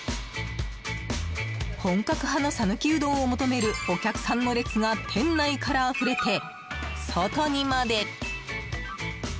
本格派の讃岐うどんを求めるお客さんの列が店内からあふれて、外にまで！